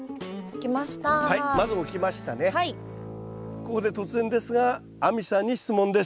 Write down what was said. ここで突然ですが亜美さんに質問です。